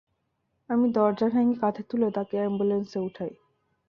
আমি দরজা ভেঙ্গে কাধে তুলে, তাকে অ্যাম্বুলেন্সে উঠাই।